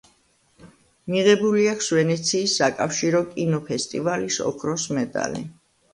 მიღებული აქვს ვენეციის საკავშირო კინოფესტივალის ოქროს მედალი.